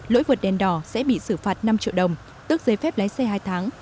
lỗi vượt đèn đỏ sẽ bị xử phạt năm triệu đồng tức giấy phép lái xe hai tháng